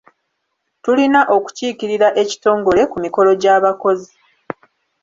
Tulina okukiikirira ekitongole ku mikolo gy’abakozi.